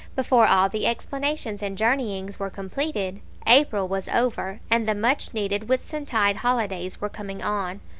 Before all the explanations and journeyings were completed, April was over, and the much needed Whitsuntide holidays were coming on.